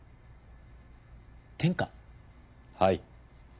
はい。